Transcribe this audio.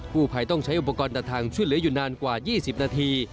ผู้ภัยต้องใช้อุปกรณ์ตัดทางช่วยเหลืออยู่นานกว่า๒๐นาที